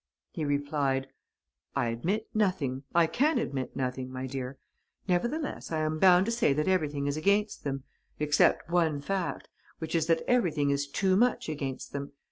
He replied: "I admit nothing, I can admit nothing, my dear. Nevertheless, I am bound to say that everything is against them ... except one fact, which is that everything is too much against them.